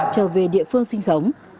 trở về địa phương sinh sống